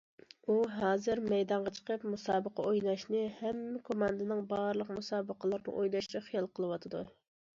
ئۇ ھازىر مەيدانغا چىقىپ مۇسابىقە ئويناشنى، ھەمدە كوماندىنىڭ بارلىق مۇسابىقىلىرىنى ئويناشنى خىيال قىلىۋاتىدۇ.